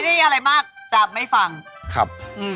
เซ็ปแท้